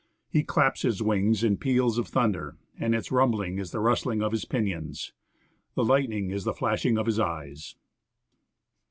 He claps his wings in peals of thunder, and its rumbling is the rustling of his pinions. The lightning is the flashing of his eyes."